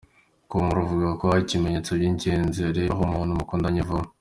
com ruvuga ko hari ibimenyetso by’ingenzi ureberaho umuntu mukundanye vuba.